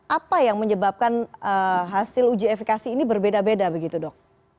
apa yang menyebabkan hasil uji efikasi ini berbeda beda begitu dok